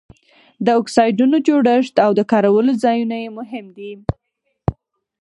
د اکسایډونو جوړښت او د کارولو ځایونه یې مهم دي.